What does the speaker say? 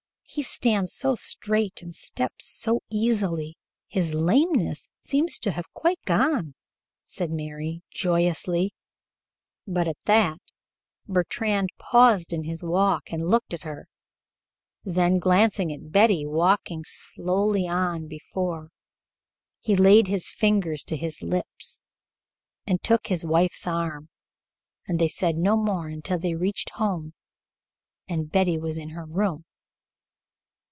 He stands so straight and steps so easily. His lameness seems to have quite gone," said Mary, joyously, but at that, Bertrand paused in his walk and looked at her, then glancing at Betty walking slowly on before, he laid his finger to his lips and took his wife's arm, and they said no more until they reached home and Betty was in her room.